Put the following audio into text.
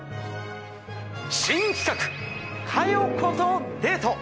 新企画、佳代子とデート。